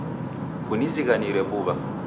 Kunizighanire mbuw'a